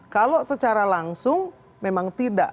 kalau secara langsung memang tidak